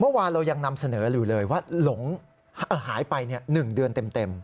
เมื่อวานเรายังนำเสนออยู่เลยว่าหลงหายไป๑เดือนเต็ม